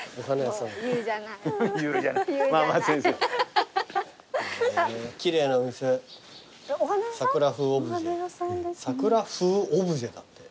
さくら風オブジェだって。